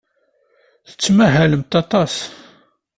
Tettmahalemt aṭas.